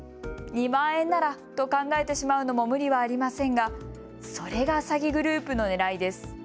２万円ならと考えてしまうのも無理はありませんがそれが詐欺グループのねらいです。